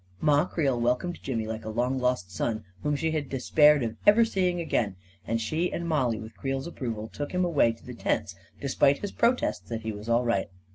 Ma Creel welcomed Jimmy like a long lost son whom she had despaired of ever seeing again, and she and Mollie, with Creel's approval, took him away to the tents, despite his protests that he was all right.